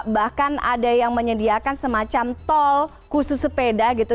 bahkan ada yang menyediakan semacam tol khusus sepeda gitu